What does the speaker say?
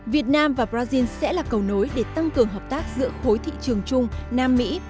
việt nam và brazil sẽ là cầu nối để tăng cường hợp tác giữa khối thị trường chung nam mỹ